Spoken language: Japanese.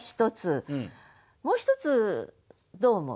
もう一つどう思う？